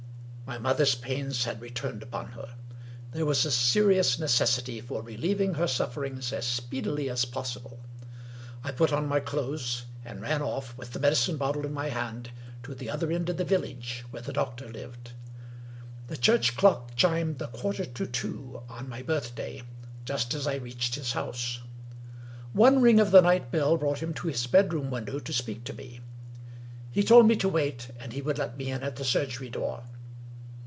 My mother's pains had returned upon her ; there was a serious necessity for relieving her sufferings as speedily as possible, I put on my clothes, and ran off, with the medicine bottle in my hand, to the other end of the village, where the doc tor lived. The church clock chimed the quarter to two on my birthday just as I reached his house. One ring of the night bell brought him to his bedroom window to speak to me. He told me to wait, and he would let me in at the surgery door.